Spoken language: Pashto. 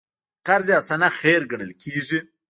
قرض حسنه خیر ګڼل کېږي.